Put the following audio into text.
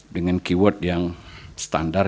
dengan keyword yang standar